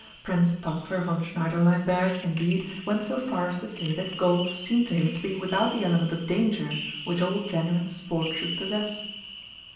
Prince Tapfer von Schneiderleinberg indeed went so far as to say that golf seemed to him to be without the element of danger which all genuine sport should possess.